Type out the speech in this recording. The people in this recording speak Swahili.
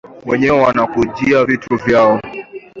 Wenyewe wanakujia vitu vyao